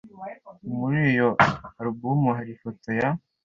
Muri iyo alubumu hari ifoto ya ?